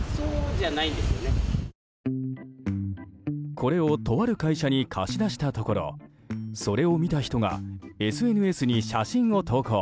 これを、とある会社に貸し出したところそれを見た人がＳＮＳに写真を投稿。